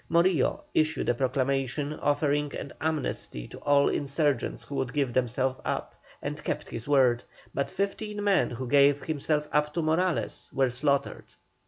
Morillo issued a proclamation offering an amnesty to all insurgents who would give themselves up, and kept his word; but fifteen men who gave themselves up to Morales were slaughtered.